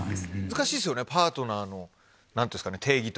難しいですよねパートナーの定義というかね。